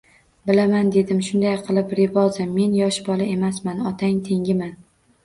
Bilaman, dedim, shunday qilib, Reboza, men yosh bola emasman, otang tengiman